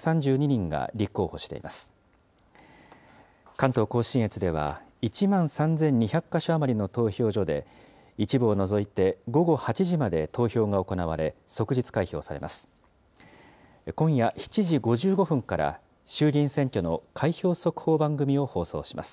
関東甲信越では１万３２００か所余りの投票所で、一部を除いて午後８時まで投票が行われ、即日開票されます。